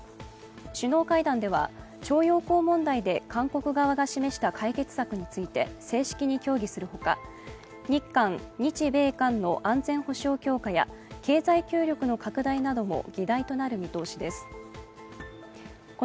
首脳会談では、徴用工問題で韓国側が示した解決策について正式に協議するほか日韓・日米韓の安全保障強化や経済協力の拡大なども議題となる見通しです。